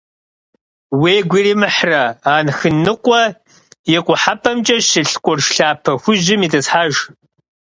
Уигу иримыхьрэ, Ахыныкъуэ и къухьэпӀэмкӀэ щылъ къурш лъапэ хужьым итӀысхьэж.